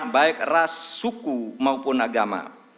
baik ras suku maupun agama